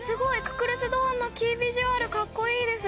『ククルス・ドアン』のキービジュアルかっこいいです！